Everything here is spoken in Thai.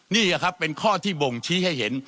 นี่แหละครับเป็นข้อที่บ่งชี้ให้เห็น